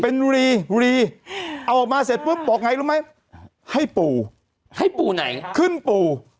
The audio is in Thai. เป็นบุรีบุรีเอาออกมาเสร็จปุ๊บบอกไงรู้ไหมให้ปู่ให้ปู่ไหนขึ้นปู่